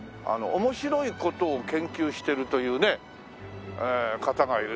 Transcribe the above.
面白い事を研究してるというね方がいるという。